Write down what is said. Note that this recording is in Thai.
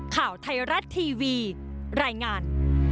ข่าวไทยรัฐทีวีรายงาน